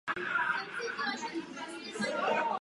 Členské státy musí být v řízení schengenského prostoru solidární.